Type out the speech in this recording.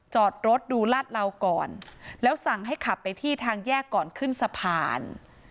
จอดรถดูลาดเหลาก่อนแล้วสั่งให้ขับไปที่ทางแยกก่อนขึ้นสะพาน